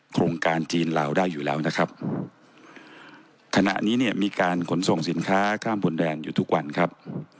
โครงการจีนลาวได้อยู่แล้วนะครับขณะนี้เนี่ยมีการขนส่งสินค้าข้ามบนแดนอยู่ทุกวันครับ